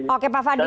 oke pak fadil